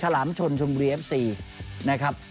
ลามชนชมบุรีเอฟซีนะครับ